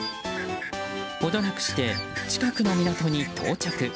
程なくして、近くの港に到着。